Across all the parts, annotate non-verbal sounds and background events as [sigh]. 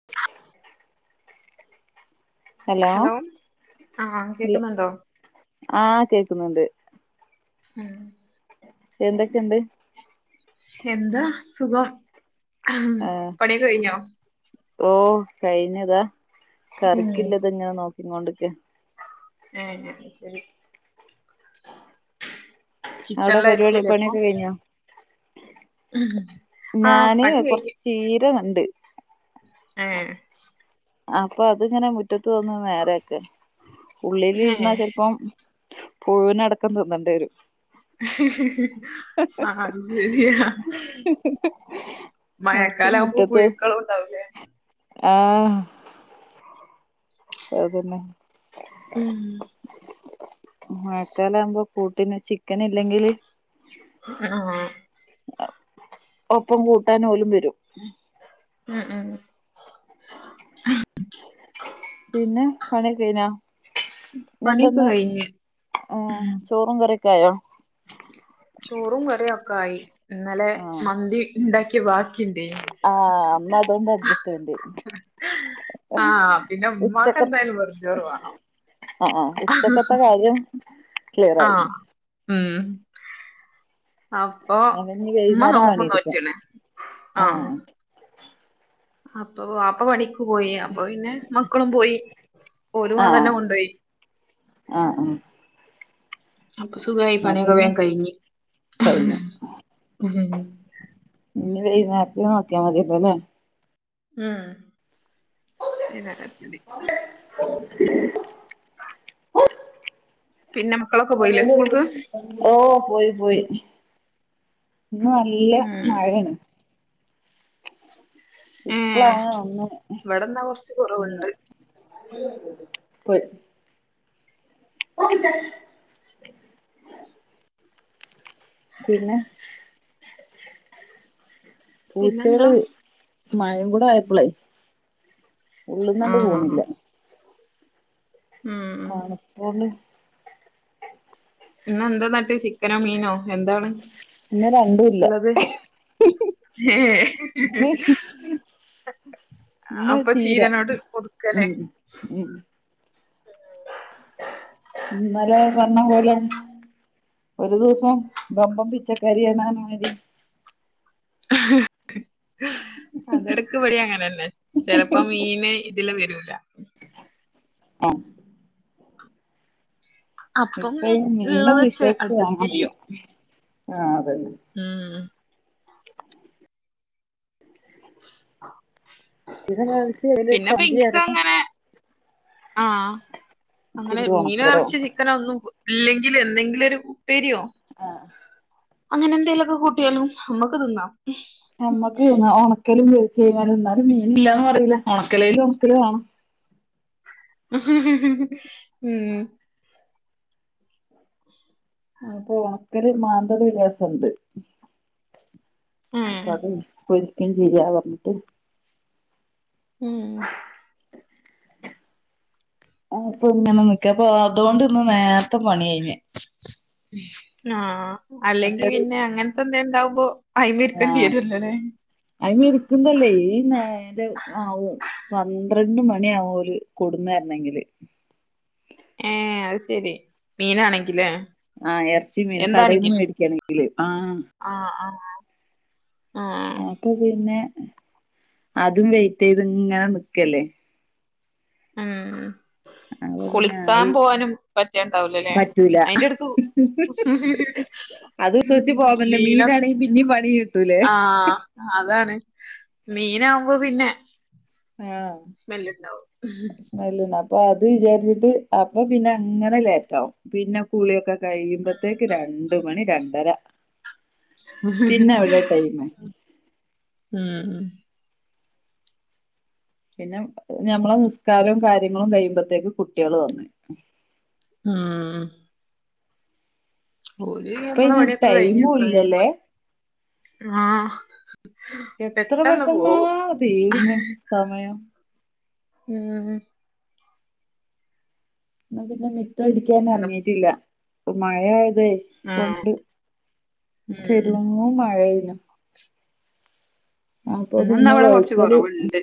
[inaudible] Hello ആഹ് ഇല്ല് കേക്കുന്നുണ്ടോ ആഹ് കേക്കുന്നുണ്ട്. ആഹ് എന്തൊക്കെണ്ട് എന്താ സുഖം. ഉം പണിയൊ കഴ്ഞ്ഞൊ ഓഹ് കഴിഞ്ഞ്താ ഉം കറിക്കില്ലതങ്ങനെ നോക്കിങ്ങോണ്ട്ക്ക ഏഹ് അയ് ശരി അവിടെ പരിപാടി കിച്ചൺലായിരിക്കുല്ലെ ഇപ്പൊ പണിയൊക്കെ കഴിഞ്ഞോ ആഹ് ഞാന് പണി കൊറച്ച് കഴിഞ്ഞ് ചീര കണ്ട് ആഹ് അപ്പൊ അതിങ്ങനെ മുറ്റത്ത് വന്ന് നേരാക്ക ഉള്ളിലിര്ന്ന ഏഹ് ചെൽപ്പം പുഴുവിന അടക്കം തിന്നണ്ടേരും ആഹ് അത്ശരിയാ അപ്പൊ മഴക്കാല ആവുമ്പൊ മുറ്റത്ത് കുഴുക്കളും ഉണ്ടാവുലെ ആഹ് അതെന്നെ ഉം മഴക്കാല ആവുമ്പൊ കൂട്ടിന് ചിക്കന് ഇല്ലെങ്കില് ആഹ് ഒപ്പം കൂട്ടാൻ ഓലും വരും ഉം ഉം പിന്ന പണിയൊക കഴ്ഞ പണിയൊക്കെ എന്താന്ന് കഴിഞ്ഞ് ആഹ് ഉം ചോറും കറിയൊക്കായൊ ചോറും കറിയും ഒക്കായി ഇന്നലെ ആഹ് മന്തി ഇണ്ടാക്കിയ ബാ ആഹ് ഇന്ന അതോണ്ട് അഡ്ജസ്റ്റ്മെന്റ് ആഹ് പിന്നെ ഉമ്മാക്ക് എന്തായാലും വെറ്ജോറ് വേണം അ ആ ഉച്ചക്കത്തെ കാര്യം ക്ലിയറായി ആഹ് ഉം അപ്പൊ അവഞ്ഞ് ഉമ്മ വൈകുന്നേരം നോമ്പും പണിയെടുക്കാം നോറ്റ്ണ് ആഹ് അപ്പൊ വാപ്പ പണിക്ക് പോയി അപ്പൊ പിന്നെ മക്കളും പോയി ഓലും അതെന്നെ ആഹ് കൊണ്ടോയി ആഹ് ആഹ് അപ്പൊ സുഖായി ആ പണിയൊക പിന്നെ വേം കഴിഞ്ഞ് കഴിഞ്ഞു ഇഞി വൈന്നേരത്തിന് നോക്ക്യാ മതിയല്ലലെ ഉം വൈന്നേര [unintelligible] [inaudible] പിന്നെ മക്കളൊക്ക പോയിലെ സ്കൂൾക്ക് ഓഹ് പോയി പോയി ഇന്ന് നല്ല ഉം മഴേണ് ഇപ്പ ഏഹ് അങ്ങന വന്ന് ഇവിടെന്നാ കൊറച്ച് നിന്ന് കൊറവുണ്ട് പോയ് ഓക്കെ സാ [unintelligible] പിന്നെ പിന്നെന്താ പൂച്ചകള് മഴെ കൂട ആയപ്പളെ ഉള്ള്ന്നണ്ട് ആഹ് പോണില്ല ഉം ഉം തണ്പ്പോണ്ട് ഇന്നെന്താ ന്ന്ട്ട് ചിക്കനോ മീനോ എന്താണ് ഇന്ന് രണ്ടൂല്ല ഇള്ളത് ഏഹ് ഇന്ന് അപ്പൊ ചീര ചീരനോട് പൊതുക്കാലെ ഉം ഉം ഇന്നലെ പർഞ്ഞ പോലെ ഒരു ദിവസം ബമ്പം പിച്ചക്കരിയാണ് അർഞമാരി അതെടുക്ക്പടി അങ്ങനെ തന്നെ ചെിലപ്പോ മീന് ഇതി വരൂല്ല അഹ് അപ്പം ഇപ്പഴും മീന് ഇള്ളത് വെച്ച് വിശ്വസിച്ച് അഡ്ജസ്റ്റ് വാങ്ങാൻ വയ്യാ ആ അതെയതെ ആഹ് ആഹ [unintelligible] ഇതെന്നാ [unintelligible] പിന്നെപ്പ ഇനിക്ക് അങ്ങനെ ആഅഹ് അങ്ങനെ പിന്നെ മീനോ ഒണക്കലാവും എറച്ചി ചിക്കനോ ഒന്നും പ്പ ഇല്ലെങ്കിലും എന്തെങ്കിലും ഒരു പ്പേരിയോ ആഹ് അങ്ങനെ എന്തെലുക്കെ കൂട്ടിയാലും നമ്മുക്ക് തിന്നാം നമ്മക്ക് തിന്നാം ഉണക്കലും വെവിച്ച് കഴിഞ്ഞാലും എന്നാലും മീൻ ഇില്ലാന്ന് പറയില്ല ഉണക്കല് ഉണക്കലും വേണം ഉം അതിപ്പോ ഉണക്കല് മാന്തല് വിലാസം ഉണ്ട് അയിപ്പോ ഏഹ് അത് പൊരിക്കല് ശരിയാ പറഞ്ഞിട്ട് ഉം ആയിപ്പൊ ഇങ്ങെ നമ്മക്കേ പോവാത്തോണ്ട് ഇന്ന് നേരത്തെ പണി കഴിഞ്ഞ് ആഹ് അല്ലെങ്കി മറ്റേത് പിന്നെ അങ്ങനത്തെ എന്തെണ്ടാവുമ്പോ അയിൻമേടുക്ക തീരുലല്ലോല്ലേ അയിനിരിക്കുമ്പോയില്ലേ ഈ നേരം ആവും പന്ത്രണ്ട് മണിയാവും ഓല് കൊടുന്നര ണെങ്കില് ഏ അത് ശെരി മീനാണെങ്കിലേ ആഹ് ഇറച്ചി മീനും കടേന്ന് മേടിക്കയാണെങ്കില് ആഹ് ആ അഹ് അഹ് ആ അപ്പ പിന്നെ അതും വെറ്റ് ചെയ്ത് ഇങ്ങനെ നിക്കല്ലേ ഉം അപ്പൊ പിന്നെ കുളിക്കാൻ ആയി പോവാനും പറ്റണ്ടാവൂലല്ലേ പറ്റൂല അയിന്റെ എടക്കും ഉം അത് വിശ്വസിച്ച് പോവാ പറ്റൂല മീന മീനാണെങ്കിൽ പിന്നെയും പണി കട്ടൂലേ ആഹ് അതാണ് മീനാവുമ്പോ പിന്നെ ആഹ് സ്മെല്ല് ഉണ്ടാവും അല്ലല്ല അപ്പൊ അത് വിചാരിച്ചിട്ട് അപ്പൊ പിന്നെ അങ്ങനെ ലേറ്റവും പിന്നെ കുളിയൊക്കെ കഴിയുമ്പോത്തേക്ക് രണ്ട് മണി രണ്ടര പിന്നെ എവിടെയാ ടൈമ് മ് പിന്നെ ഞമ്മളെ നിസ്കാരവും കാര്യങ്ങളും കഴിയുമ്പോത്തേക്ക് കുട്ടികള് വന്നു ആഹ് ആ ഓല് ഇപ്പൊ ഞമ്മടെ അയിന് പണിയൊക്കെ ടൈമും കഴിഞ്ഞൊക്കെ കഴിയുമ്പ ഇല്ലല്ലേ ആഹ് എത്ര പെട്ടെന്ന് പെട്ടെന്നാ പോകും തീരുന്നെ സമയം മ് എന്ന് പിന്നെ മിറ്റ അടിക്കാൻ ഇന്ന് എറങ്ങിട്ടില്ല മഴ ആയതേ ഉം കൊണ്ട് ഉം പെരുകുന്നു മഴയും അപ്പൊ ഇന്നിന്നാ പിന്നെ ഇവിടെ കൊറച്ച് വഴുക്കല് കൊറവുണ്ട്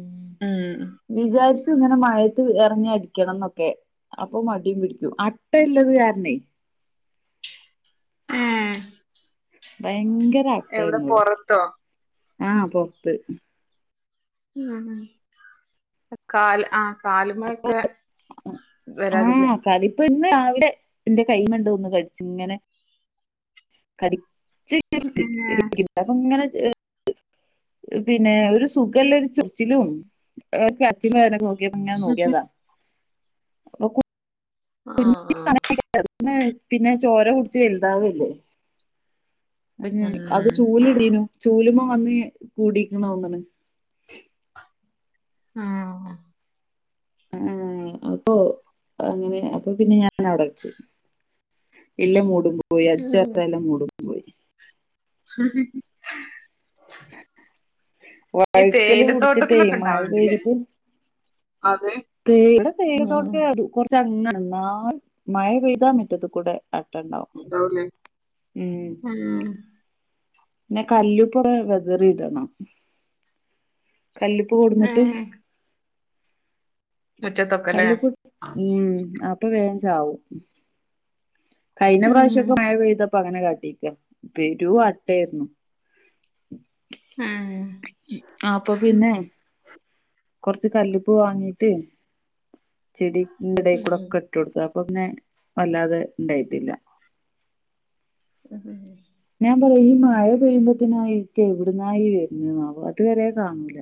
മ് ഉം വിചാരിച്ചുങ്ങനെ മഴത്ത് ഇറങ്ങി അടിക്കണന്നൊക്കെ അപ്പൊ മടിയും പിടിക്കും അട്ടെല്ലത് കാരണേ ഏഹ് ഭയങ്കര എവിടെ അട്ടയായിരുന്നു ഇവിടെ പൊറത്തോ ആ പൊറത്ത് മ് ആ കാൽ അ കാലുമെക്കെ ആഹ് കാലപ്പ്ന്ന് രാവിലെ എന്റെ കൈയ്യുമ്മേണ്ട് ഒന്ന് കടിച്ചു ഇങ്ങനെ കടി ച് ഉം ഇവിടെ ഇങ്ങനെ ചെ ട്ട് പിന്നെ ഒരു സുഖല്ല ഒരു ചൊറിച്ചിലും [unintelligible] നോക്കിയപ്പോ ഇങ്ങനെ നോക്കിയതാ അപ്പൊ കു ആഹ് [unintelligible] പിന്നെ ചോര കുട്ച്ച് വെല്താവല്ലേ [unintelligible] അത് ഉം ചൂല് ഇൻടീനു ചൂല്മ്മ വന്ന് കൂടിക്ക്ണോന്ന്ണ് ആഹ് അഹ് ആഹ് അപ്പൊ അങ്ങനെ അപ്പൊ പിന്നെ ഞാൻ അവ്ടെച്ച് ഇല്ല മൂടും പോയി ഉം അടിച്ച്വാരാല്ല മൂടും പോയി ശെരി ഈ വഴുക്കല് പിടിച്ചിട്ടേ തേയിലത്തോട്ടത്തിലൊക്കെ മഴ ണ്ടാവല്ണ്ട്ലേ അതേ തേയില തേയില തൊട്ടത്തി കൊർച്ചങ്ങാണ് ന്നാലും മഴ പെയ്താ മിറ്റത്ത് കൂടെ അട്ടണ്ടാവും ഇണ്ടാവൂലേ ഉം ഉം ന്നെ കല്ലുപ്പ് വെതറിടണം കല്ലുപ്പ് കൊട്ന്നിട്ട് ഏഹ് മുറ്റത്തൊക്കെല്ലേ കല്ലുപ്പ് ഉം അപ്പ വേം ചാവും കയ്ഞ്ഞ ഉം പ്രാവശ്യക്കെ മഴ പെയ്തപ്പ അങ്ങനെ കാട്ടിക്കേ പെരൂം അട്ടേര്ന്നു ഉം ആപ്പൊ പിന്നെ കൊർച്ച് കല്ലുപ്പ് വാങ്ങീട്ട് ചെടി ന്റെ ഉം അയ്കൂടൊക്കെ ഇട്ടാെട്ത്ത് അപ്പ പിന്നെ വല്ലാതെ ണ്ടായിട്ടില്ല ഉം ഉം ഞാൻ പറയാ ഈ മഴ പെയ്യുമ്പോത്തിനായിട്ട് എവിടുന്നാ ഈ വെര്ന്നേന്നാവോ അത്‌വെരെ കാണൂല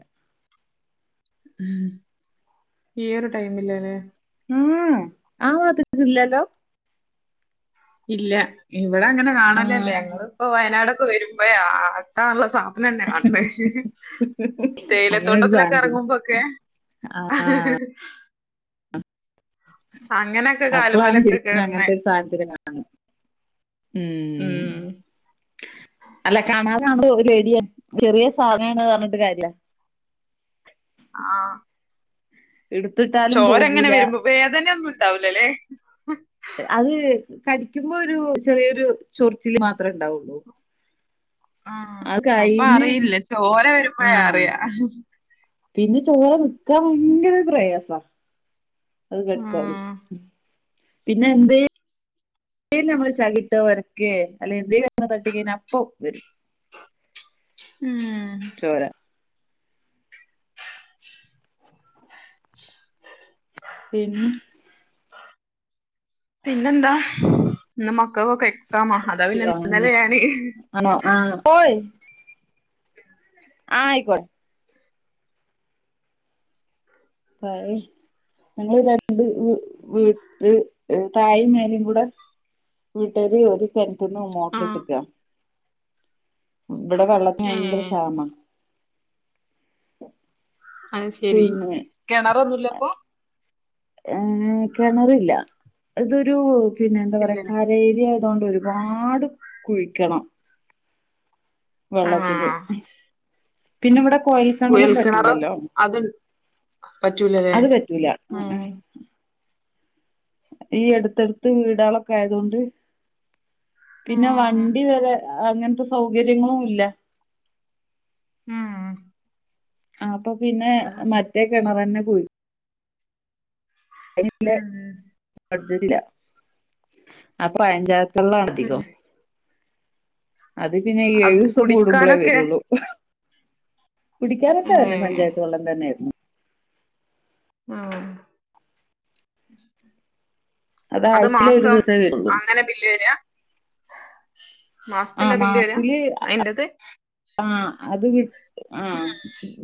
ഈ ഒര് ടൈമില് ലേ ഉം ഭാത്ത്ക്ക്ല്ലല്ലോ ഇല്ല ഇവിടെ അങ്ങെനെ ആ കാണലേല്ല ഞങ്ങള് പ്പോ വയനാടൊക്കെ വരുമ്പയാ ആ ക ആ സാധനന്നേ ആൺണ് അങ്ങനെ ഒരു തേയിലത്തോട്ടത്തിലൊക്കെ സാധനത്തിന് എറെങ്ങുമ്പാെക്കെ അങ്ങെനെ അപ്പളാണ് ശെരിക്ക്ന് അങ്ങൻത്തൊരു സാൻത്തിനെ കാണ് ഉം അല്ല കാണാതാമ്പോ ഒര് [unintelligible] ചെറിയ സാധനാണ്ർഞ്ഞ്ട്ട് കാര്യല്ല ആഹ് ഇട്ത്ത്ട്ടാ ചോരങ്ങനെ വെരുമ്പോ വേദെന്യൊന്നും ണ്ടാവ്‌ലലേ അത് കടിയ്ക്ക്മ്പാെരു ചെറിയൊരു ചൊറ്ച്ചില് മാത്രേണ്ടാവാെള്ളൂ ആ അത് അപ്പൊ കയ്ഞ്ഞ് അറിയില്ല ചോര വരുമ്പോഴേ ആഹ് അറിയാ പിന്നെ ചോര നിക്കാം ഭയ്ങ്കര പ്രയാസാ അത് കട്ച്ചാല് ഉം. പിന്നെ എന്തേ ന്തേലും നമ്മള് ചകിട്ട ഒരെക്കെ അല്ലെ എന്തേ തട്ടിക്കയ്ഞ്ഞാ അപ്പ വരും ഊം ചോരാ പിന്നെ പിന്നെന്താ ന്ന് മക്കക്കാെക്കെ എ ക്സാമ അതാ പിന്നെ ആ, ഒന്ന് ഇന്നലെ ഞാന് ആണോ ആഹ് ഓയ് ആഹ് അയ്ക്കോട് ഭായ് ഞങ്ങള് വിചാരിച്ചത് വ് വ് ത് തായിം മേലിം കൂടെ വീട്ടാര് ഒരല കെൺറ്റ്ന്ന് ആ മോട്ട്റ്ട്ട്ക്കാ ഇബടെ വെള്ളത്തിന് ഭയ്ങ്കര ഏ ക്ഷാമാ അത് ശെരി കെണെറൊന്നുല്ലെ അപ്പൊ ഏഹ് കെണറില്ല ഇതൊരു പിന്നെ എന്താ ഇല്ല പറയാ കരേര്യായതാേണ്ട് ഒര്പാട് കുഴിക്കെണം വെള്ളത്തില് ആഹ് പിന്നെ ഇവിടെ കോയി കുഴൽ കേണറും കിണറ് പറ്റൂലല്ലോ അത് പറ്റൂലല്ലേ അത് പറ്റൂല ഉം ഈ അടുത്തെടുത്ത് വീടാളൊക്കെ ആയതൊണ്ട് ഉം പിന്നെ വണ്ടി വരെ അങ്ങനത്തെ സൗകര്യങ്ങളും ഇല്ല ഉം ആ അപ്പൊ പിന്നെ മറ്റേക്കെണ തന്നെ പോയി ജ ഉം അപ്പൊ പയഞ്ചേരത്തുള്ളാണ് ഉം അധികം അത് പിന്നെ ഈ അത് ഏഴു ദിസം കൂടുമ്പോളേ കുടിക്കാനൊക്കെ വരുള്ളു കുടിക്കാരൊക്കെ തന്നെ ഏഹ് പഞ്ചായത്ത് വെള്ളം തന്നെയായിരുന്നു ആഹ് അത് ആഴ്ചയിൽ ഒരു മാസം ദിവസേ വരുള്ളൂ അങ്ങനെ ബില്ല് വര മാസത്തില്ല വല്ല് വരാ അയിന്റത് ആഹ് അത് വിട്ട് ആ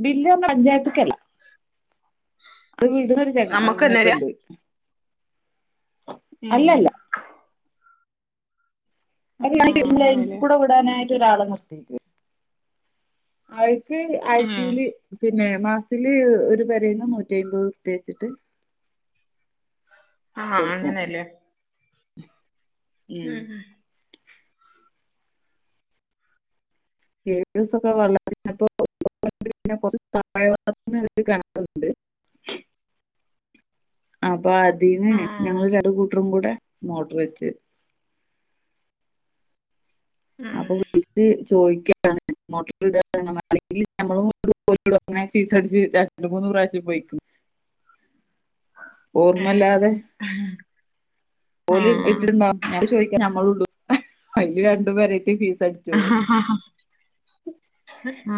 ബില്ല് പഞ്ചായത്തക്കല്ല അത് വീടുന്നരു ച നമ്മക്കന്നെ വരാ മൂപ്പൻണ്ട് ഉം ആഹ് അക്ക് ലൈൻസ് അങ്ങനെല്ലേ കൂടെ വിടാനായിട്ട് ഒരാളെ നിർത്തക്കും അവർക്ക് ഉം ആഴ്ച്ചയില് പിന്നെ മാസില് ഒരു വരുന്ന നൂറ്റിമ്പത് പ്രത്യേകിച്ചിട്ട് ആഹ് കൊടുക്കും അങ്ങനെയല്ലേ ഉം ഉം ഏഴ് ദിവസൊക്കെ വപ്പ [unintelligible] കൊറച്ച് സായ കണക്കുന്നുണ്ട് അപ്പൊ അതിന് ആഹ് ഞങ്ങള് കട കൂട്ടറും കൂടെ മോട്ടർ വെച്ച് ഉം അപ്പൊ വിളച്ച് ചോദിക്കാണ്ട് [unintelligible] അങ്ങനെ ഫീസടിച്ച് രണ്ടണ്ട് മൂന്ന് പ്രാവശ്യം പോയിക്കും ഏഹ് ഓർമ്മല്ലാതെ പോലി ഇട്ടിണ്ടോ ചോദിക്കാൻ നമ്മള അല് രണ്ടു പേര ഫീസ്ടു ആഹ്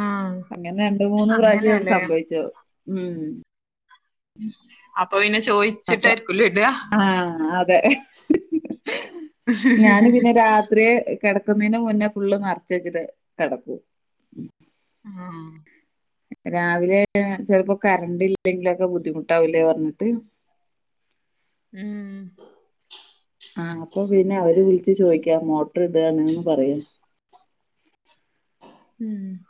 ആഹ് അങ്ങനെ രണ്ട മൂന്ന് പ്രാവശ്യം അങ്ങനെയല്ലേ സംഭവിച്ചോ ഉം അപ്പൊ പിന്നെ ചോയിച്ചിട്ടായിരിക്കല്ലെ ഇട ആ അതെ. ഞാന് പിന്നെ രാത്രി കിടക്കുന്നെന് മുന്നേ ഫുള്ള് നറച്ചിട്ട്ട്ട് കിടക്കും. ആഹ് രാവിലെആയ ചെലപ്പോ കറണ്ട് ഇല്ലെങ്കിലൊക്കെ ബുദ്ധിമുട്ടാവുലേ പറഞ്ഞിട്ട് ആഹ് ആ അപ്പൊ പിന്നെ അവര് വിളിച്ച് ചോയിക്കാ മോട്ടർ ഇടാണ്ന്ന് പറയ. അഹ്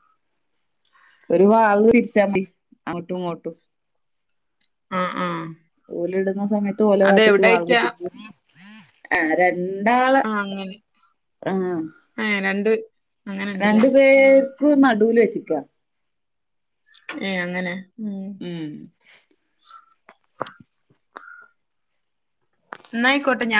ഒരു വാൾവ് തിരിച്ചാ മതി അങ്ങോട്ടും ഇങ്ങോട്ടും. ആ ആഹ് ഓലിടുന്ന സമയത്ത് ഓല ഭാത്തക്ക് വാൾവ് അതെവിടായിറ്റാ തിരിക്കും [unintelligible] അ രൻ രണ്ടാള് ആഹ് അങ്ങനെ ആഹ് ഏഹ് രണ്ട് രണ്ട് അങ്ങനെണ്ട്ല്ലേ പേർ [unintelligible] നടൂല് വെച്ചിക്ക. ഏ അങ്ങനെ ഉം. ന്നാ ആയിക്കോട്ടെ ഞാൻ